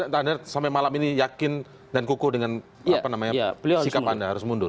tanda sampai malam ini yakin dan kukuh dengan apa namanya sikap anda harus mundur